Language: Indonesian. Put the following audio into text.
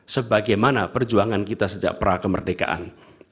sebagaimana perjuangan kita sejak prakemerdekaan